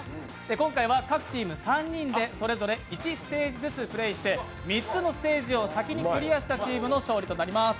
今回は各チーム３人でそれぞれ１ステージずつプレーして３つのステージを先にクリアしたチームの勝利となります。